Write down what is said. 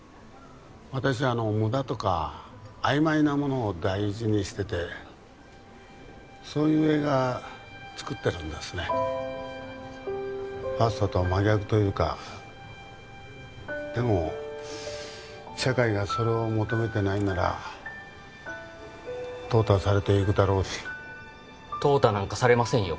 私は無駄とか曖昧なものを大事にしててそういう映画作ってるんですねファストと真逆というかでも社会がそれを求めてないなら淘汰されていくだろうし淘汰なんかされませんよ